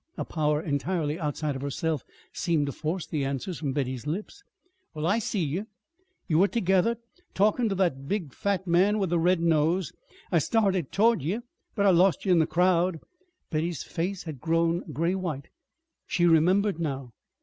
A power entirely outside of herself seemed to force the answers from Betty's lips. "Well, I see ye. You was tergether, talkin' to the big fat man with the red nose. I started towards ye, but I lost ye in the crowd." Betty's face had grown gray white. She remembered now.